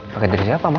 paket dari siapa ma